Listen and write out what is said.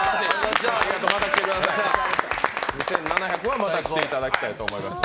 ２７００はまた来ていただきたいと思います。